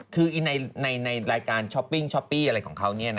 คือในรายการช้อปปี้อะไรของเขาเนี่ย